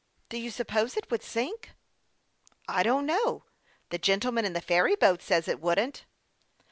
" Do you suppose it would sink ?"" I don't know ; the gentleman in the ferry boat says it wouldn't."